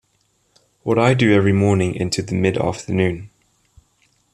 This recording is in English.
What I do every morning into the mid-afternoon.